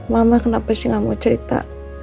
mama kenapa sih gak mau cerita